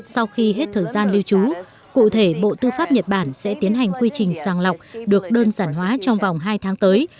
sau khi hết thời gian lưu trú cụ thể bộ tư pháp nhật bản sẽ tiến hành quy trình sàng lọc được đơn giản hóa trong vòng hai tháng tới